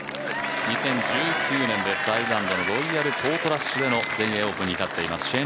２０１９年です、ロイヤル・ポートラッシュでの全英オープンに勝っています